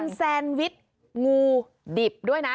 แซนวิชงูดิบด้วยนะ